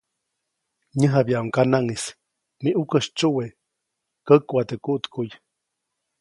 Nyäjabyaʼuŋ ŋganaʼŋ -¡mi ʼukä sytsyuwe, käkuʼa teʼ kuʼtkuʼy!‒